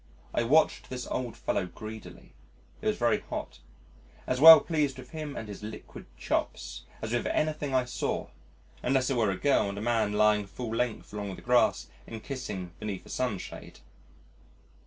I watched this old fellow greedily (it was very hot), as well pleased with him and his liquid "chops" as with anything I saw, unless it were a girl and a man lying full length along the grass and kissing beneath a sunshade.